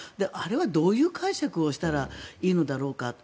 あれはどういう解釈をしたらいいのだろうか。